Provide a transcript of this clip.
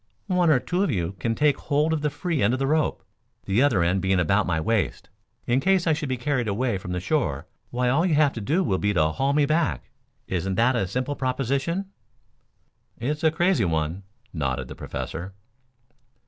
One or two of you can take hold of the free end of the rope, the other end being about my waist. In case I should be carried away from the shore, why all you have to do will be to haul me back. Isn't that a simple proposition?" "It's a crazy one," nodded the Professor.